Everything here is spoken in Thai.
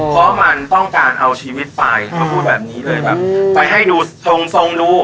เพราะมันต้องการเอาชีวิตไปเขาพูดแบบนี้เลยแบบไปให้ดูทรงทรงดู